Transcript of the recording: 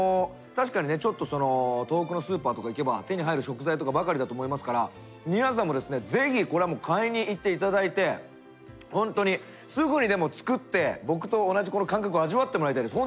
確かにねちょっとその遠くのスーパーとか行けば手に入る食材とかばかりだと思いますから皆さんもですね是非これはもう買いに行って頂いてほんとにすぐにでも作って僕と同じこの感覚を味わってもらいたいです。